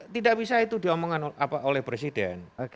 tidak bisa itu diomongkan oleh presiden